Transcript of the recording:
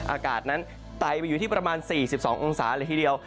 อากาศนั้นไตไปอยู่ที่ประมาณ๔๒องศาเลยทีเดียว